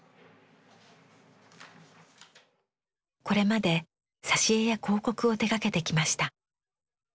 これまで挿絵や広告を手がけてきました。